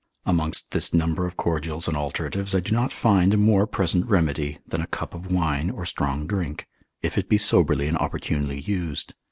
Amongst this number of cordials and alteratives, I do not find a more present remedy, than a cup of wine or strong drink, if it be soberly and opportunely used.